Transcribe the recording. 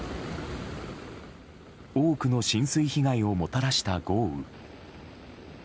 多くの浸水被害をもたらした豪雨。